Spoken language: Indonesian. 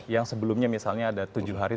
yang sebelumnya misalnya ada tujuh hari